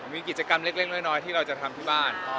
มีกิจกรรมเล็กยังไงที่เตรียมที่บ้าน